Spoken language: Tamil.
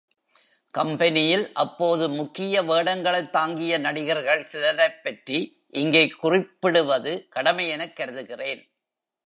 கம்பெனியில் அப்போது முக்கிய வேடங்களைத் தாங்கிய நடிகர்கள் சிலரைப்பற்றி இங்கே குறிப்பிடுவது கடமையெனக் கருதுகிறேன்.